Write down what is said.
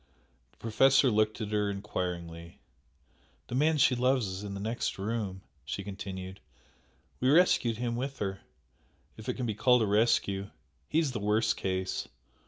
The Professor looked at her enquiringly. "The man she loves is in the next room" she continued "We rescued him with her if it can be called a rescue. He is the worst case.